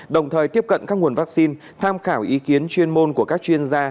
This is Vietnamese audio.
đồng thời tiếp cận các nguồn vaccine tham khảo ý kiến chuyên môn của các chuyên gia